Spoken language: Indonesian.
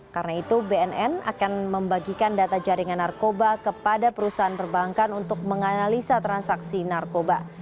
karena itu bnn akan membagikan data jaringan narkoba kepada perusahaan perbankan untuk menganalisa transaksi narkoba